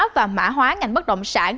và mã hóa ngành bất động sản